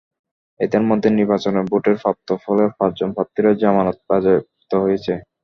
এঁদের মধ্যে নির্বাচনে ভোটের প্রাপ্ত ফলে পাঁচজন প্রার্থীরই জামানত বাজেয়াপ্ত হয়েছে।